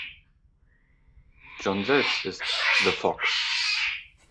John selbst ist "The Fox".